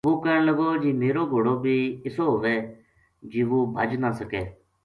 وہ کہن لگو جی میرو گھوڑو بی اِسو ہووے جی وہ بھج نہ سکے